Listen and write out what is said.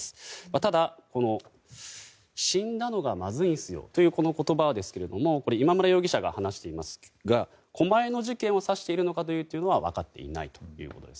ただ、死んだのがまずいんすよというこの言葉ですが今村容疑者が話していますが狛江の事件を指しているのかというのかは分かっていないということです。